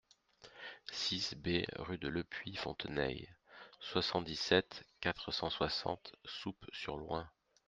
six B rue de Lepuy Fonteneilles, soixante-dix-sept, quatre cent soixante, Souppes-sur-Loing